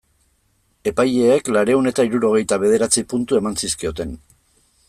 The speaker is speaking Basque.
Epaileek laurehun eta hirurogeita bederatzi puntu eman zizkioten.